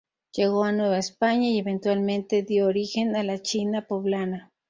Llegó a Nueva España y eventualmente dio origen a la "China Poblana".